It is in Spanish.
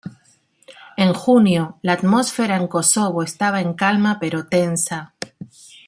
En junio, la atmósfera en Kosovo estaba en calma, pero tensa.